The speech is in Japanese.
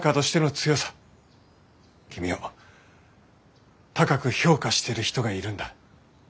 君を高く評価してる人がいるんだ。